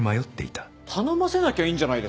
頼ませなきゃいいんじゃないですか？